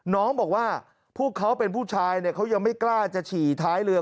น้องบอกว่าพวกเขาเป็นผู้ชายเนี่ยเขายังไม่กล้าจะฉี่ท้ายเรือ